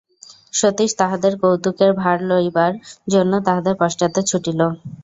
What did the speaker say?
সতীশ তাহাদের কৌতুকের ভাগ লইবার জন্য তাহাদের পশ্চাতে ছুটিল।